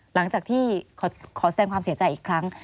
หลังจากที่ขอแสงความเสียใจอีกครั้ง